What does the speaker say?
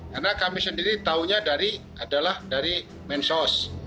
karena kami sendiri tahunya adalah dari mensos